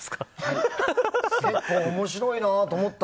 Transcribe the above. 結構、面白いなと思った。